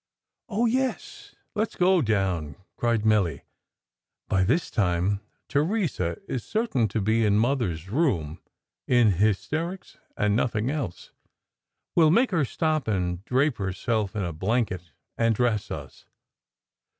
"Oh, yes, let s go down," cried Milly. "By this time Therese is certain to be in mother s room, in hysterics and nothing else ! We ll make her stop and drape herself juTa blanket and dress us."